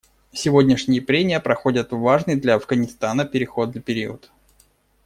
Сегодняшние прения проходят в важный для Афганистана переходный период.